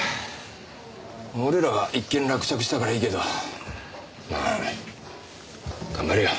俺らは一件落着したからいいけどまあ頑張れよ。